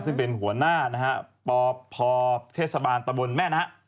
ซึ่งเป็นหัวหน้านะฮะปพเทศบาลตะบนแม่นะ